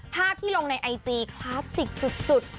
ภาพที่ลงในไอจีคลาสสิกสุด